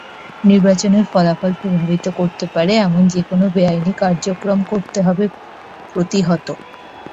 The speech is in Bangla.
নির্বাচনের ফলাফল প্রভাবিত করতে পারে—এমন যেকোনো বেআইনি কার্যক্রম করতে হবে প্রতিহত।